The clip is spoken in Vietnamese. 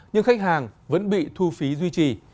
nhưng khách hàng vẫn bị thu phí duy trì